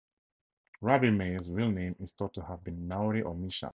Rabbi Meir's real name is thought to have been Nahori or Misha.